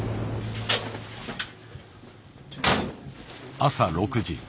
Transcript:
朝６時。